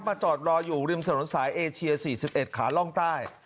จอดรออยู่ริมถนนสายเอเชีย๔๑ขาล่องใต้